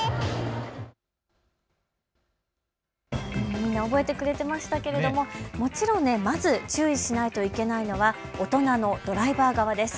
みんな覚えてくれていましたけれどももちろんまず注意しないといけないのは大人のドライバー側です。